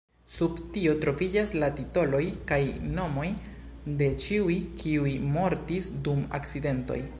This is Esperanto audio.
Sub tio troviĝas la titoloj kaj nomoj de ĉiuj, kiuj mortis dum akcidentoj.